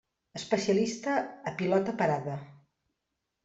Especialista a pilota parada.